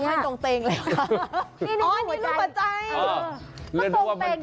มันห้อยตรงเตงเลยเหรอคะ